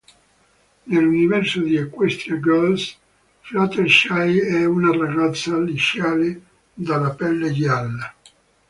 Nel universo di "Equestria Girls", Fluttershy è una ragazza liceale dalla pelle gialla.